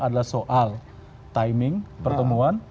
adalah soal timing pertemuan